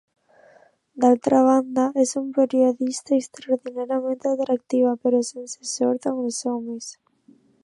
D'altra banda, és una periodista extraordinàriament atractiva, però sense sort amb els homes.